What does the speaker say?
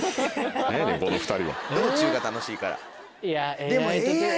道中が楽しいから。